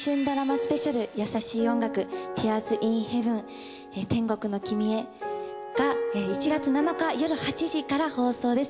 スペシャル優しい音楽ティアーズ・イン・ヘヴン天国のきみへ』が１月７日夜８時から放送です。